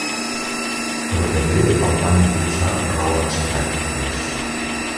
Però també el van impulsar raons pràctiques.